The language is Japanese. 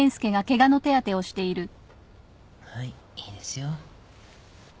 はいいいですよ。